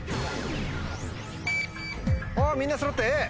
あみんなそろってＡ！